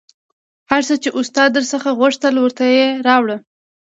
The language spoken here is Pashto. هر څه چې استاد در څخه غوښتل ورته یې راوړه